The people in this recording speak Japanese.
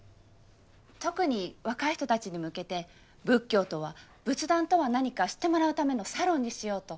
特に若い人たちに向けて仏教とは仏壇とは何か知ってもらうためのサロンにしようと。